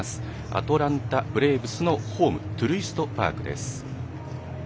アトランタ・ブレーブスのホームトゥルイストパークです。